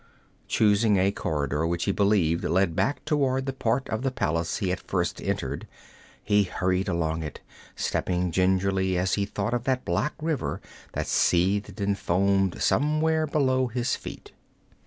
Choosing a corridor which he believed led back toward the part of the palace he had first entered, he hurried along it, stepping gingerly as he thought of that black river that seethed and foamed somewhere below his feet.